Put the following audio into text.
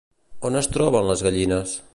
On es troben les gallines?